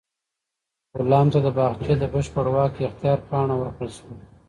غلام ته د باغچې د بشپړ واک اختیار پاڼه ورکړل شوه.